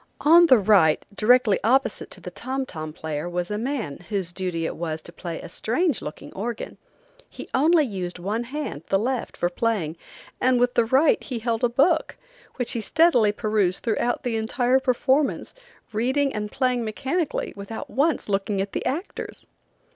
On the right, directly opposite to the tom tom player, was a man, whose duty it was to play a strange looking organ. He only used one hand, the left, for playing, and with the right he held a book, which he steadily perused throughout the entire performance, reading and playing mechanically without once looking at the actors.